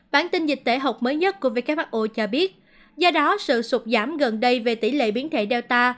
bản tin dịch tễ học mới nhất của who cho biết do đó sự sụt giảm gần đây về tỷ lệ biến thể data